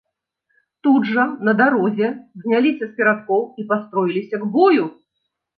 Тут жа на дарозе зняліся з перадкоў і пастроіліся к бою.